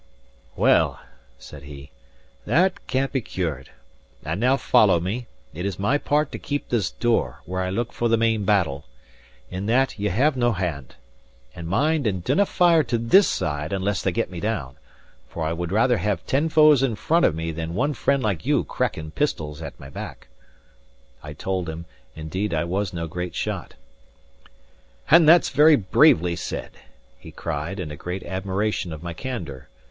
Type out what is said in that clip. "Well," said he, "that can't be cured. And now follow me. It is my part to keep this door, where I look for the main battle. In that, ye have no hand. And mind and dinnae fire to this side unless they get me down; for I would rather have ten foes in front of me than one friend like you cracking pistols at my back." I told him, indeed I was no great shot. "And that's very bravely said," he cried, in a great admiration of my candour.